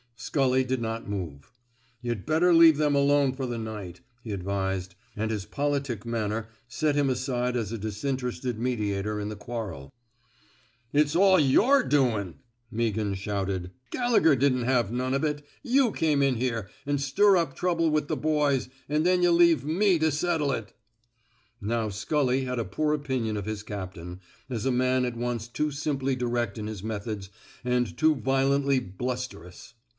Scully did not move. Yuh'd better leave them alone fer the night," he advised; and his politic manner set him aside as a disin terested mediator in the quarrel. It's all your doin'," Meaghan shouted. 266 A PERSONALLY CONDUCTED REVOLT Gallegher didn^t have none of it. You come in here an' stir up trouble with the boys, an' then yuh leave me to settle it —'* Now Scully had a poor opinion of his captain, as a man at once too simply direct in his methods and too violently blusterous.